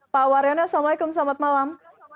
pak waryono assalamualaikum selamat malam